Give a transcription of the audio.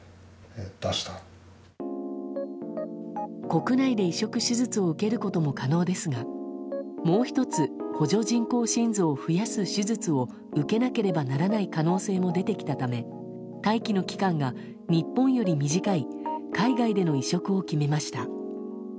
国内で移植手術を受けることも可能ですがもう１つ補助人工心臓を増やす手術を受ける可能性も出てきたため待機の期間が、日本より短い海外での移植を決めました。